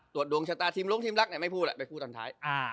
ตรวจดวงชะตาทีมโรงทีมรักไหนไม่พูดเลยไปพูดตอนท้าย